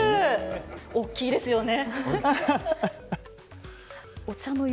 大きいですよね。